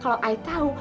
kalau aku tau